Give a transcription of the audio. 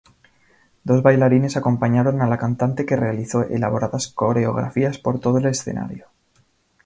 Dos bailarines acompañaron a la cantante que realizó elaboradas coreografías por todo el escenario.